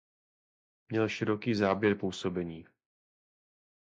Měl široký záběr působení.